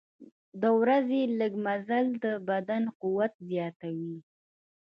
د ورځې لږ مزل د بدن قوت زیاتوي.